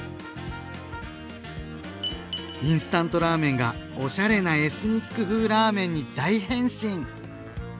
インスタントラーメンがおしゃれなエスニック風ラーメンに大変身！